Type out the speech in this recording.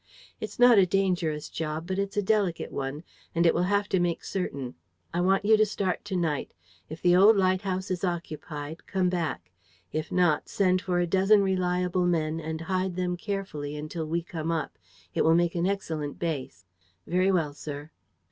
"It's not a dangerous job, but it's a delicate one; and it will have to make certain. I want you to start to night. If the old lighthouse is occupied, come back. If not, send for a dozen reliable men and hide them carefully until we come up. It will make an excellent base." "Very well, sir."